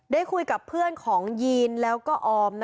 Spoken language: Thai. ได้คุยกับเพื่อนของยีนแล้วก็ออม